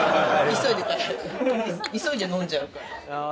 急いで飲んじゃうから。